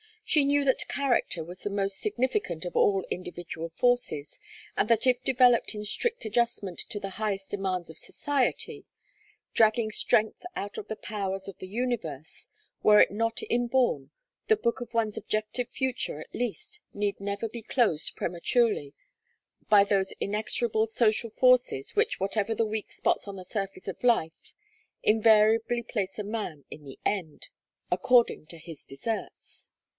She knew that character was the most significant of all individual forces, and that if developed in strict adjustment to the highest demands of society, dragging strength out of the powers of the universe, were it not inborn, the book of one's objective future at least need never be closed prematurely by those inexorable social forces, which, whatever the weak spots on the surface of life, invariably place a man in the end according to his deserts.